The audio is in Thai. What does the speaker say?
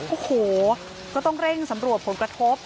โอ้โหก็ต้องเร่งสำรวจผลกระทบ